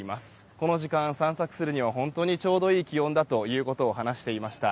この時間、散策するには本当にちょうどいい気温だと話していました。